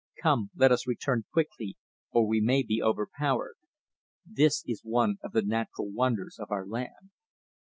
Come, let us return quickly, or we may be overpowered. This is one of the natural wonders of our land."